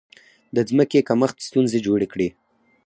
د ځمکې کمښت ستونزې جوړې کړې.